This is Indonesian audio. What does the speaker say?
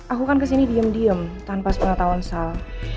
aku kan kesini diem diem tanpa sepengetahuan sal